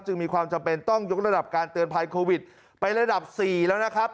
มีความจำเป็นต้องยกระดับการเตือนภัยโควิดไประดับ๔แล้วนะครับ